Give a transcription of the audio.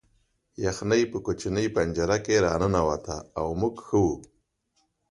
یخني په کوچنۍ پنجره نه راننوته او موږ ښه وو